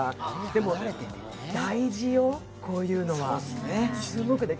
でも、大事よ、こういうのは、すごくね。